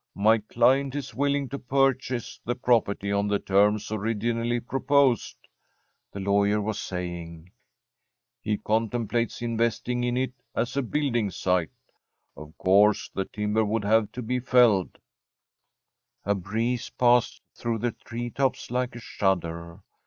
'My client is willing to purchase the property on the terms originally proposed,' the lawyer was saying. 'He contemplates investing in it as a building site. Of course the timber would have to be felled ' A breeze passed through the treetops like a shudder.